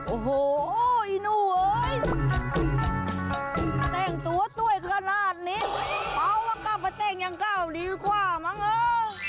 โอ้โหไอ้หนูเฮ้ยแต้งตัวต้วยขนาดนี้เพราะว่ากลับมาแต้งยังก้าวดีกว่ามั้งเอ้ย